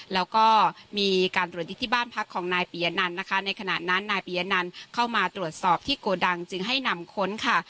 แล้วก็มีการตรวจยึดที่บ้านพักของนายปียะนันนะคะในขณะนั้นนายปียะนันเข้ามาตรวจสอบที่โกดังจึงให้นำค้นค่ะ